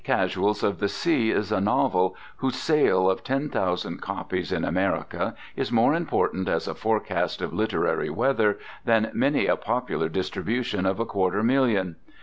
Casuals of the Sea is a novel whose sale of ten thousand copies in America is more important as a forecast of literary weather than many a popular distribution of a quarter million.